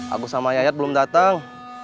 aku sama yayat belum datang